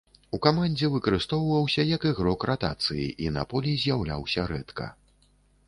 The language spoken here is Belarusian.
У камандзе выкарыстоўваўся як ігрок ратацыі і на полі з'яўляўся рэдка.